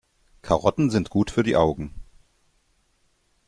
Karotten sind gut für die Augen.